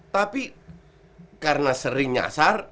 tapi karena sering nyasar